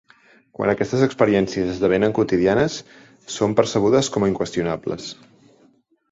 Quan aquestes experiències esdevenen quotidianes, són percebudes com a 'inqüestionables'.